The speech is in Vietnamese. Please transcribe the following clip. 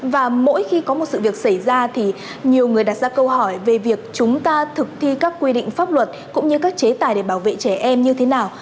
và mỗi khi có một sự việc xảy ra thì nhiều người đặt ra câu hỏi về việc chúng ta thực thi các quy định pháp luật cũng như các chế tài để bảo vệ trẻ em như thế nào